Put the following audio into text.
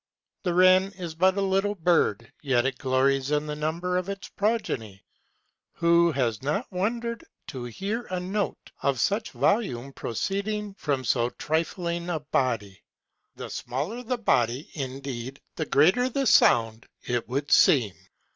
The wren is but a little bird, yet it glories in the number The wren, of its progeny. Who has not wondered to 'hear a note of such volume proceeding from so trifling a body ? The smaller the body, indeed, the greater the sound, it would seem.